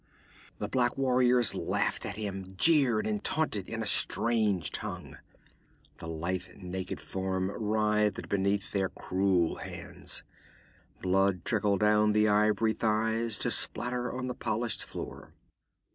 The black warriors laughed at him, jeered and taunted in a strange tongue. The lithe naked form writhed beneath their cruel hands. Blood trickled down the ivory thighs to spatter on the polished floor.